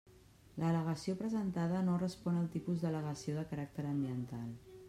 L'al·legació presentada no respon al tipus d'al·legació de caràcter ambiental.